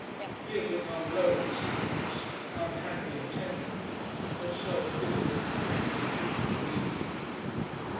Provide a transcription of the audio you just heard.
He had become low in spirits, unhappy in temperament, and self diffident to a painful degree.